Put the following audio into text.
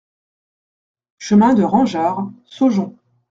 Chemin de Rangeard, Saujon